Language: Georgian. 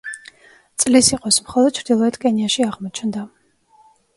წლის იყოს, მხოლოდ ჩრდილოეთ კენიაში აღმოჩნდა.